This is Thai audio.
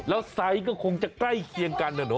แล้วไซส์ก็คงจะใกล้เคียงกันนะเนอ